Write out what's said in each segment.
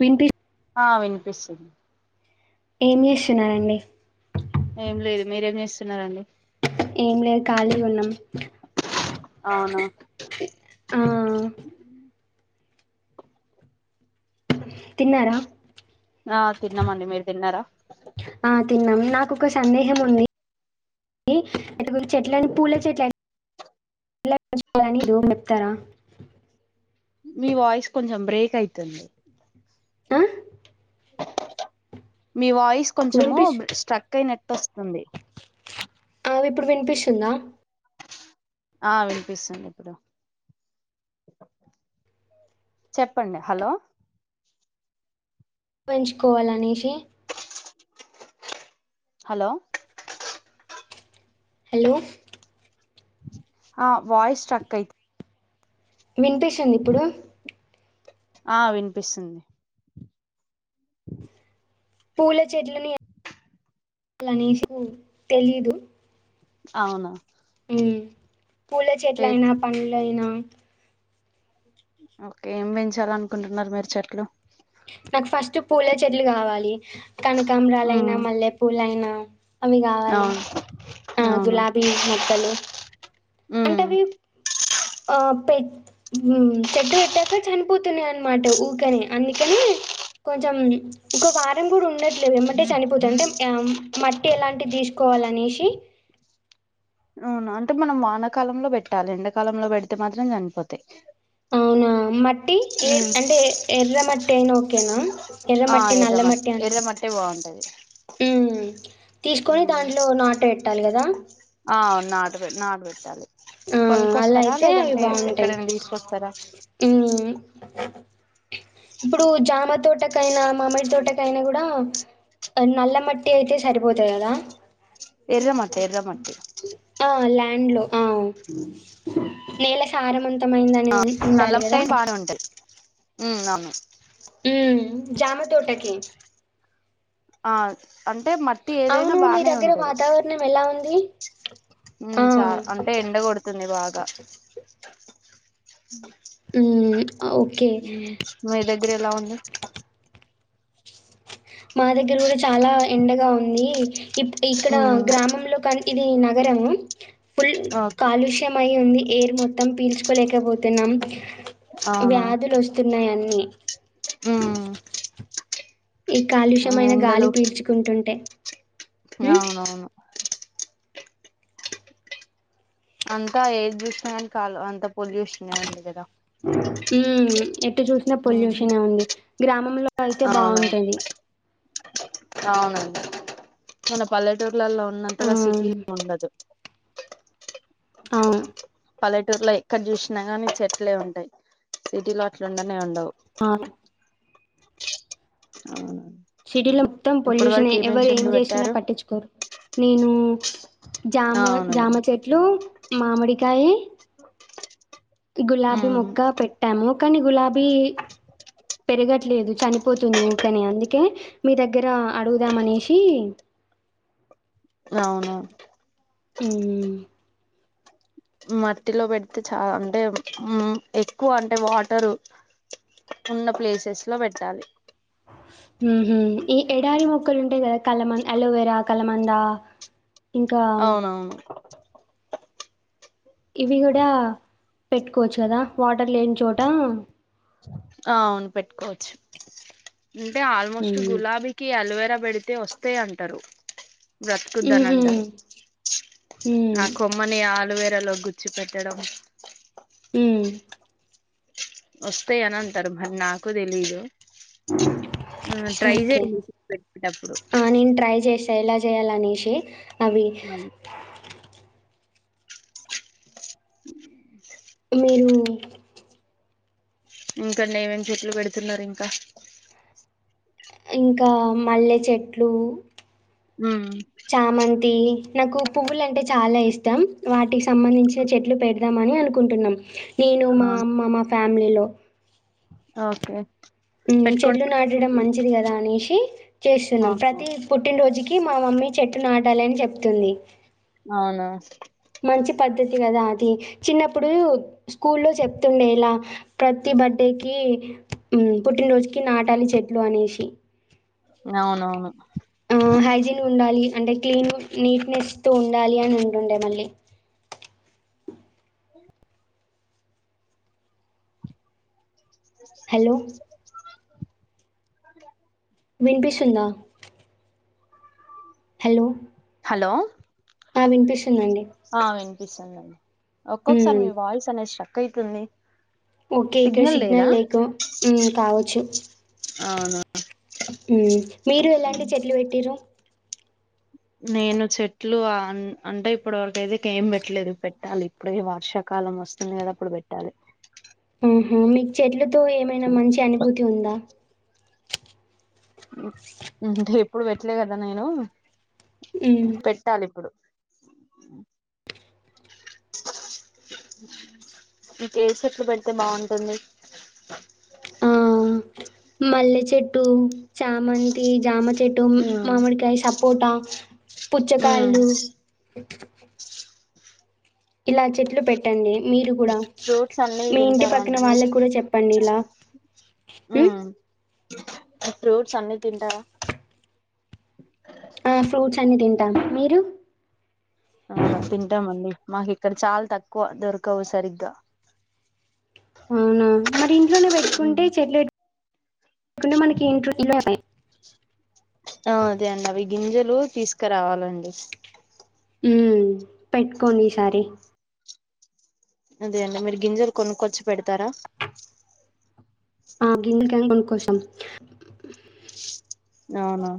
వింటి ఆ వినిపిస్తుంది ఏం చేస్తున్ననండి ఏం లేదు మీరేం చేస్తున్నారంండి ఏం లేదు ఖాళీ ఉన్నాం అవునా ఆ తిన్నారా ఆ తిన్నామండి మీరు తిన్నారా ఆ తిన్నాం నాకొక సందేహం ఉంది అటుకుల చెట్లని పూల చెట్ల [inaudible] లని మెప్తారా మీ వాయిస్ కొంచెం బ్రేక్ అయితుంది ఆ మీ వాయిస్ కొంచెము వినిపిస్ స్ట్రక్ అయినట్ వస్తుంది అ ఇప్పుడు వినిపిస్తుందా ఆ వినిపిస్తుంది ఇప్పుడు చెప్పండి హలో పెంచుకోవాలనేసి హలో హలో ఆ వాయిస్ స్ట్రక్ అయిత్ వినిపిస్తుంది ఇప్పుడు ఆ వినిపిస్తుంది పూల చెట్లని తెలీదు అవునా ఉమ్ పూల చెట్ల టేక్ అయినా పండ్లయినా ఓకే ఏం పెంచాలనుకుంటున్నారు మీరు చెట్లు నాకు ఫస్ట్ పూల చెట్లు కావాలి కనకాంబ్రాలైన ఉమ్ మల్లె పూలయినా అ అవి కావాలి అవును ఆ అవునా గులాబీ మొక్కలు ఉమ్ అంటేవి అ ఆ పె మ్ చెట్టు పెట్టాక చనిపోతున్నాయి అనమాట ఊకనే అందుకనే కొంచెం ఒక వారం కూడా ఉండట్లేదు ఏమంటే చనిపోతంటే మట్టి ఎలాంటి తీసుకోవాలనేసి అవును అంటే మనం వానకాలంలో పెట్టాలి ఎండాకాలంలో పెడితే మాత్రం చనిపోతాయ్ అవునా మట్టి ఏ అంటే ఎర్ర మట్ టైన ఓకేనా ఆ ఎర్రమట్టి ఎర్ర మట్ నల్లమట్టి అని ఎర్ర మట్టే బాగుంటది ఉమ్ తీసుకొని దాంట్లో నాటు పెట్టాలి కదా ఆ నాటు నాడుబేట్టాలి ఆ అలా కొనుక్కొస్తారా అయితే అవి లేదంటే బాగుంటాయి ఎక్కడైనా తీసుకొస్తారా ఉమ్ ఇప్పుడు జామ తోటకైనా మామిడి తోటకయినా కూడా నల్ల మట్టి అయితే సరిపోతది కదా ఎర్రమట్టి ఎర్రమట్టి ఆ ల్య ఏడ్లో ఆ నేల సారమంత ఇష్టమైందని ఉండాలి కదా ఉ అవును ఉ జామ తోటకి ఆ అంటే మట్టి ఏదైనా అవును మీ బానే దగ్గర ఉంటది వాతావరణం ఎలా ఉంది మ్మ్ ఆ చా అంటే ఎండ కొొడుతుంది బాగా ఓకే ఉమ్ మీ దగ్గర ఎలా ఉంది మా దగ్గర కూడా చాలా ఎండగా ఉంది ఇ ఇక్కడ ఉమ్ గ్రామంలో కానీ ఇది నా ఘోరము ఫుల్ ఓకే కాలుష్య అయి ఉంది ఎయిర్ మొత్తం పీల్చుకోలేకపోతున్నాం ఇ అవునా వ్యాధులు వస్తున్నాయి అన్నీ ఉమ్ ఈ కాలుష్యమైన ఎండలు గాలి పీల్చుకుంటుం అంటే అవునవును అంత ఏది చూసినా కానీ కాలు అంత పొల్యూషన్ ఉంది కదా ఉమ్మ్ ఎట్టు చూసినా ఉమ్ పొల్యూషన్ ఉంది గ్రామంలో అయితే అవును బాగుంటది అవునండి చిన్న పల్లెటూరు ఊర్లలో ఆ! ఉన్నంతగా సిటీలో ఉండదు అవును పల్లెటూరులో ఎక్కడ చూసినా గానీ చెట్లే ఉంటాయి సిటీలో అట్లుండనే ఉండవు ఆ అవును సిటీలో మొత్తం పొల్యూషన్ ఎవరు ఏం చెట్లు చేసిన పెట్టారు పట్టించుకోరు నేను జామ అవును జామ చెట్లు మామిడికాయ గులాబీ ఉమ్ మొక్క పెట్టాము కానీ గులాబీ పెరగట్లేదు చనిపోతుంది ఊకని అందుకే కే మీ దగ్గర అడుగుదామ అనేసి అవును ఉమ్మ్ మట్టిలో పెడితే చాలా అంటే ఎక్కువ అంటే వాటరు ఉన్న ప్లేసెస్ లో పెట్టాలి ఉహు ఈ ఎడారి మొక్కలు ఉంటయి కదా కలమం అలోవేరా కలమంద ఇంకా అవునవును ఇవి కూడా పెట్టుకోవచ్చు కదా వాటర్ లేని చోట ఆ అవును పెట్టుకోవచ్చు అంటే ఆల్మోస్ట్ ఉమ్ గులాబీకి అలోవేరా పెడితే వస్తాయి అంటారు బ్రతుకొద్దాని ఉహు అంటారు ఉమ్ ఆ కొమ్మని ఆ లువేరలో గుచ్చు పెట్టడం హ్మ్మ్ వస్తే అనా అంతరు మరి నాకు తెలిదు ఆ ట్రై ఓకే చేయండి పెట్టేటప్పుడు ఆ నేను ట్రై చేసా ఎలా చేయాలనేసి అవి మీరు ఇంకనే ఏమేం చెట్లు పెడుతున్నారు ఇంకా ఇంకా మల్లె చెట్లు ఉమ్ చామంతి నాకు పువ్వులు అంటే చాలా ఇష్టం వాటి సంబంధించిన చెట్లు పెడత ద్దామని అనుకుంటున్నాం నేను మా అవును. అమ్మ మా ఫ్యామిలీలో ఓకే పెట్టుకుంట చెట్లు నాటడం మంచిది కదా అనేసి చేస్తున్నాం అవును ప్రతి పుట్టినరోజుకి కి మా మమ్మీ చెట్టు నాటాలని చెప్తుంది అవునా మంచి పద్ధతి కదా అది చిన్నప్పుడు స్కూల్లో చెప్తుండే ఇలా ప్రతి బర్త్డేకి పుట్టినరోజుకి నాటాలి చెట్లు అనేసి అవునవును ఆ హైజీన్ ఉండాలి అంటే క్లీన్ నీట్నెస్ తో ఉండాలి అని ఉంటుండే మళ్ళీ హలో వినిపిస్తుందా హలో హలో ఆ విన్పిస్ టునండి పిసందండ్ ఒక్కొక్కసారి మీ వాయిస్ అనేష కైపున్ని ఓకే ఇక్కడ సిగ్నల్ లేకు మ్మ్ కావచ్చు అవును మ్మ్ మీరు ఎలాంటి చెట్లు పెట్టిర్రు నేను చెట్లు అంటే ఇప్పడి వరకైతే ఏం పెట్టలేదు పెట్టాలి, ఇప్పుడే వర్షాకాలం వస్తుంది గదా అప్పుడు బెట్టాలి‌. ఊహు మీకు చెట్లు తో ఏమైనా మంచి అనుభూతి ఉందా ఊహు ఎప్పుడు పెట్టలే కద నేను హ్మ్. పెట్టాలిప్పుడు మీకేచెట్లు బెడితే బాగుంటుంది ఆ మల్లె చెట్టు చామంతి జామ పెటుం ఉమ్, మామిడికాయ సప్ పోటా ఉమ్. పుచ్చకాయలు ఇలా చెట్లు పెట్టండి మీరు గుడా ఫ్రూట్స్ అన్ని మీ ఇంటి తింటారా పక్కన అండి మీరు వాళ్ళక్కుడా చెప్పండి ఇలా మ్ ఉమ్, ఫ్రూట్స్ అన్ని తింటారా ఆ ఫ్రూట్స్ అన్ని తింటాను మీరు అవును తింటామండి మాకిక్కడ చాల్ తక్కువ దొరకవు సరిగ్గా అవునా మరి ఇంట్లోనే ఉమ్. పెట్కుంటే చెట్లు మనకి ఇంట్లోనే ఆ అదే అండవి గింజలు తీసుకురావాలండి మ్మ్ పెట్టుకొనీసారి అదే అండి మీరు గింజలు కొనుక్కొచు పెడతారా ఆ గిందుకని కొను కొశం అవునా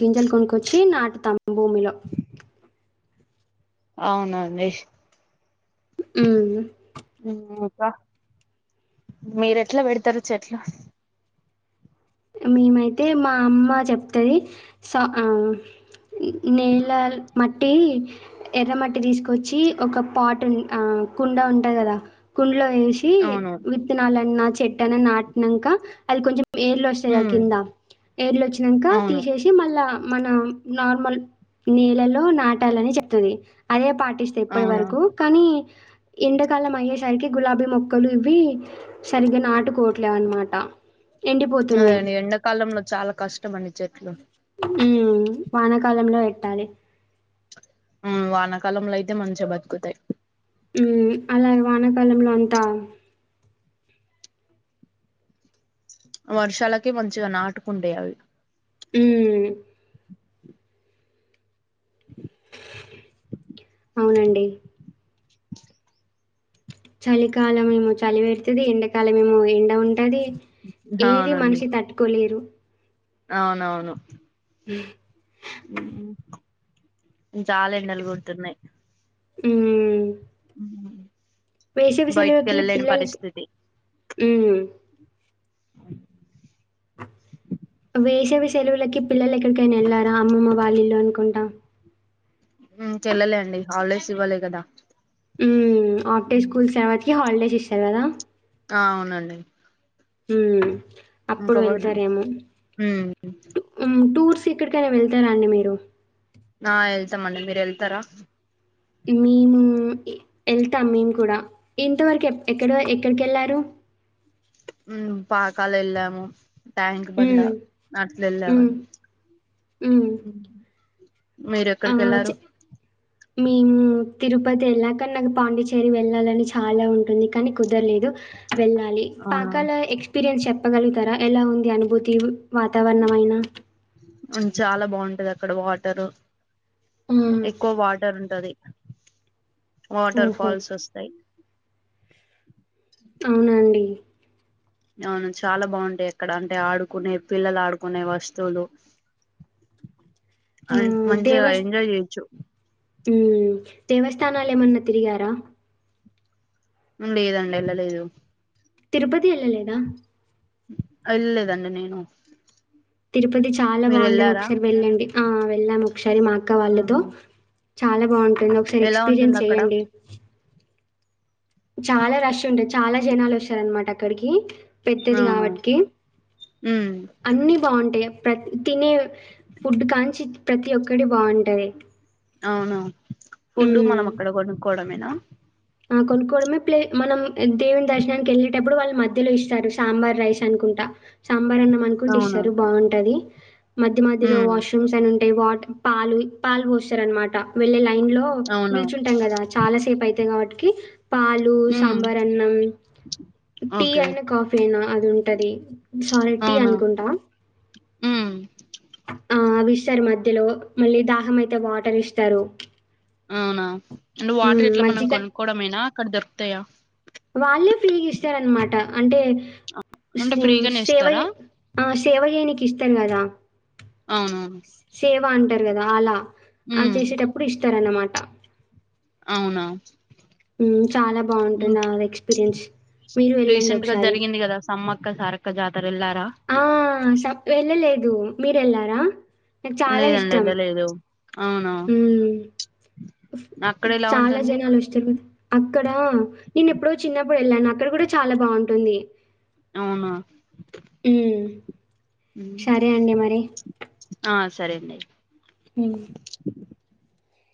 గింజలు కొనుకొచ్చి నాటుతమ్ భూమిలో అవునండి ఉ ఉమ్, మీరు ఎట్లా పెడతారు చెట్లు మేమైతే మా అమ్మ చెప్తది సా ఆ నేల మట్టి ఎర్ర మట్టి తీసుకొచ్చి ఒక పాట్ ఆ కుండ ఉంటంది కదా కుండలో వేసి అవును విత్తనాలన్నా చెట్న నాట్నాంక అది కొంచం ఉమ్, కింద ఏడ్లు వచ్చినాక అవును తీసేసి మళ్ళా మన నార్మల్ నేలలో నాటాలని చెప్తుంది అదే పాట పటిస్తాయి ఇప్పటి అవును వరకు కానీ ఎండాకాలం అయ్యేసరికి గులాబీ మొక్కలు ఇవి సరిగ్గా నాటుకోట్లేవు అనమాట అదే ఎండిపోతున్నాయి ఎండాకాలంలో చాలా కష్టం అని చెట్లు మ్మ్ వానాకాలం కాలంలో ఎట్టాలి వానాకాలంలో అయితే మంచిగా బతుకుతాయి ఉ అలాగే వానాకాలంలో అంతా వర్షాలకే మంచిగా నాటుకుండే అవి మ్ అవునండి చలికాలమ ఏమో చలి పెడుతుది ఎండాకాలం ఏమో ఎండ ఉంటది ఏది అవునండి మనిషి తట్టుకోలేరు అవునవును ఉ చాలా ఎండలు కొడుతున్నాయి ఉ [unintelligible] బయటికి వేషవిశెలవకి వెళ్ళలేని పిల్లలు పరిస్థితి మ్మ్ వేసవి సెలవులకి పిల్లలు ఎక్కడికైనా వెళ్ళారా అమ్మమ్మ వాళ్ళిలు అనుకుంటా మ్ ఇంక యళ్లలే అండి హాలిడేస్ ఇవ్వాలి కదా ఉ హాఫ్స్కూల్స్ సేవ్ కి హాలిడేస్ శర్దా ఆ అవునండి హు అప్పుడు ఇంకా వెళ్తారేమో ఉమ్ టూర్ ఏక్కడికైనా వెళ్తారండి మీరు ఆ వెళ్తామండి మీరు వెళ్తారా మేము వెళ్తాం మేము కూడా ఇంతవరకు ఎక్కడ ఎక్కడికి వెళ్ళారు పాకాల ఎలాము ట్యాంక్ బండా హ్మ్. అట్టు హ్మ్. వేలమండీ హ్మ్. ఇ మీరు ఎక్కడికి ఆహ్, వెళ్ళారు చె మేము తిరుపతి వెళ్ళాకనీ నాకు పాండిచ్చేరి వెళ్ళాలని చాలా ఉంటుంది కానీ కుదరలేదు వెళ్ళాలి అవునా పాకాల ఎక్స్ ఎక్స్పీరియన్స్ చెప్పగలుగుతారా ఎలా ఉంది అనుభూతి వాతావరణం అయి చాలా బాగుంటది అక్కడ వాటరు ఆ! ఎక్కువ వాటర్ ఉంట సది వాటర్ ఓహో! ఫాల్స్ వస్తాయి అవునా అండి. అవును చాలా బాగుంటాయి అక్కడ అంటే ఆడుకునే పిల్లలు ఆడుకునే వస్తువులు అ ఆహ్, మంచిగా ఎంజాయ్ చేయచ్చు ఉ దేవస్థానాలు ఏమన్నా తిరిగారా లేదండి ఎల లేదు తిరుపతి వెళ్ళలేదా వేలేదండి నేను తిరుపతి చాలా మీరు బాగుంటది వెళ్ళారా ఒకసారి వెళ్ళండి ఆ వెళదాం ఒకస్ నేను మా అక్క వాళ్ళతో అవునా చాలా బాగుంటుంది ఒకసారి ఎలా ఉంటుంది ఎక్స్పీరియన్స్ అక్కడ చేయండి చాలా రష్ ఉంటది చాలా జనాలు వస్తారనమాట అక్కడికి పెద్దది అవును కాబటికీ ఉమ్ అన్ని బాగుంటాయి ప్ర తినే ఫుడ్ కాంచి ప్రతి ఒక్కడి బాగుంటది అవును ఫుడ్ మనం అక్కడ కొనుక్కోవడమేనా ఆ కొనుక్కవడమే పలే మనం దేవుని దర్శనానికి వెళ్ళేటప్పుడు వాళ్ళు మధ్యలో ఇస్తారు సాంబార్ రైస్ అనుకుంటా సాంబార్ అన్నాం అనుకుంటే అవునా ఇస్తారు బాగుంటది మధ్య మధ్యలో ఉమ్ వాష్రూమ్స్ అవి వాట్ పాల్ పాల్ వోషర్ అనమాట వెళ్ళే లైన్ లో అవునా నిల్చుంటాం కదా చాలా సేపు అయితే కాబట్టి క పాలు ఉమ్ సాంబార్ అన్నం టీ ఓకే అయిన కాఫీ అయినా అ అ ఉంటది సార్ెట్ టి అవునా అనుకుంటా ఉమ్ ఆవి ఇస్తారు మధ్యలో మళ్ళీ దాహం అయితే వాటర్ ఇస్తారు అవునా అండ్ హ్మ్. వాటర్ ఇట్లా మనం మజ్జిగ కొనుక్కోవడంమేనా కడ దొర్కుతాయా వాళ్ళే ఫ్రీగా ఇస్తారనమాట అంటే అంటే సేవ ఫ్రీగానే శే ఇస్తారా సేవ చేయ ననికి ఇస్తారు కదా అవును బ అంటారు కదా అలా ఆ చేసిటప్పుడు ఇష్ట ఇస్తారన్నమాట అవునా చాలా బాగుంటుంది ఇంక్ ఆ ఎక్స్పీరియన్స్ మీరు వెళ్ళండి రీసెంట్ గా ఒకసారి జరిగింది కదా సమ్మక్క సారక్క జాతర వెళ్ళారా ఆ స వెళ్ళలేదు అ మీరెలారా నాకు చాలా లేదండి ఇష్టం వెళ్ళలేదు అవునా ఉ‌ అక్కడ ఎలా చాలా ఉంటుంది జనాలు వస్తారు కద అక్కడ నేను ఎప్పుడో చిన్నప్పుడు వెళ్ళాను అక్కడ కూడా చాలా బాగుంటుంది అవునా అ హ్మ్. సరే అండి మరి ఆ సరే అండి అ